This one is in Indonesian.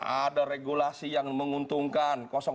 ada regulasi yang menguntungkan